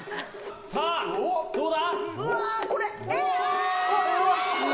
さぁ、どうだ？